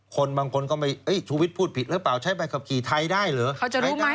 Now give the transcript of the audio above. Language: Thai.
คนบางคนก็ไม่ชุวิตพูดผิดหรือเปล่าใช้ใบขับขี่ไทยได้เหรอ